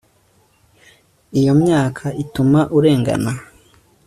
Iyo myaka ituma urengana